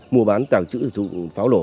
mùa bán tàng trữ sử dụng pháo nổ